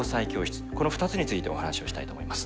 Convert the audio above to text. この２つについてお話をしたいと思います。